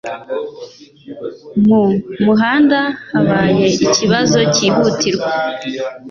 Mu muhanda habaye ikibazo cyihutirwa.